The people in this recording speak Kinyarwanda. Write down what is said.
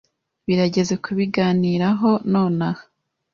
Birageze kubiganiraho nonaha.